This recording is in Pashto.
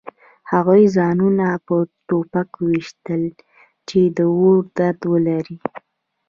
هغوی ځانونه په ټوپک ویشتل چې د اور درد ونلري